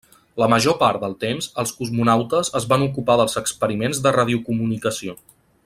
La major part del temps els cosmonautes es van ocupar dels experiments de radiocomunicació.